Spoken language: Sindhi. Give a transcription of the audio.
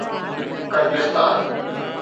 ڪرغستان